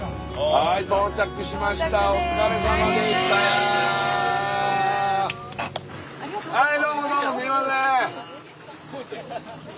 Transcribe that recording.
はいどうもどうもすみません。